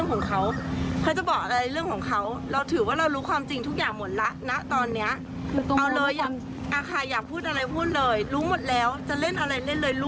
เออพูดว่ะไง